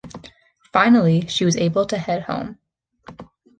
Finally, she was able to head home.